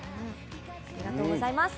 ありがとうございます。